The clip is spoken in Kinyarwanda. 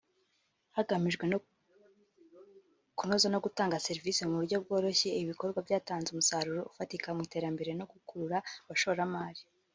hagamijwe kunoza no gutanga serivisi mu bryo bworoshye; ibikorwa byatanze umusaruro ufatika mu iterambere no gukurura abashoramari